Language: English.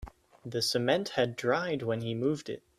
The cement had dried when he moved it.